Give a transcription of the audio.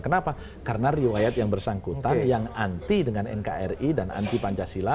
kenapa karena riwayat yang bersangkutan yang anti dengan nkri dan anti pancasila